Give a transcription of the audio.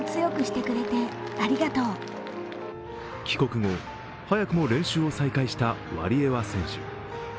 帰国後、早くも練習を再開したワリエワ選手。